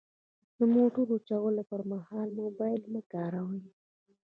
د موټر چلولو پر مهال موبایل مه کاروئ.